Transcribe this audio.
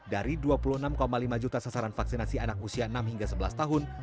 dari dua puluh enam lima juta sasaran vaksinasi anak usia enam hingga sebelas tahun